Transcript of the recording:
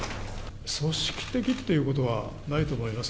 組織的っていうことはないと思います。